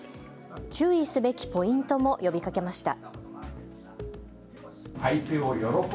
注意すべきポイントも呼びかけました。